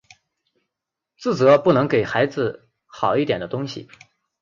自责不能给孩子好一点的东西